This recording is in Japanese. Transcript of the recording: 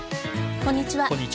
こんにちは。